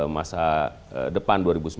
masa depan dua ribu sembilan belas